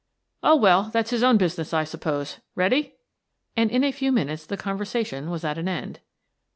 "Oh, well, that's his own business, I suppose. Ready?" And in a few minutes the conversation was at an end.